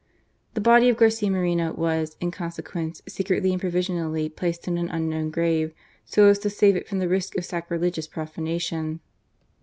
The body of Garcia Moreno was, in consequence, secretly and provisionally placed in an unknown grave, so as to save it from the risk of sacrilegious profanation.